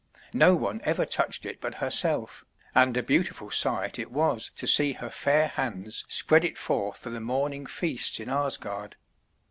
No one ever touched it but herself, and a beautiful sight it was to see her fair hands spread it forth for the morning feasts in Asgard.